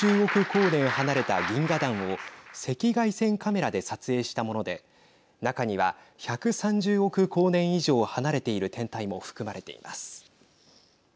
光年離れた銀河団を赤外線カメラで撮影したもので中には、１３０億光年以上離れている天体も含まれています。